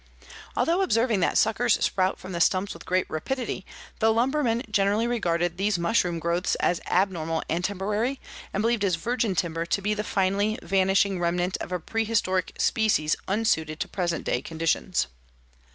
Although observing that suckers sprout from the stumps with great rapidity, the lumberman generally regarded these mushroom growths as abnormal and temporary, and believed his virgin timber to be the finally vanishing remnant of a prehistoric species unsuited to present day conditions.